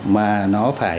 mà nó phải